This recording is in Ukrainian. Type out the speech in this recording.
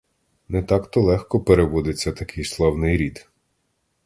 Не так-то легко переводиться такий славний рід!